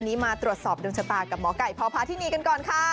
วันนี้มาตรวจสอบดวงชะตากับหมอไก่พพาธินีกันก่อนค่ะ